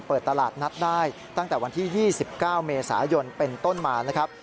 เปิดตลาดนัดได้ตั้งแต่วันที่๒๙เมษายนเป็นต้นมานะครับ